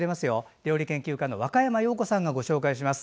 料理研究家の若山曜子さんがご紹介します。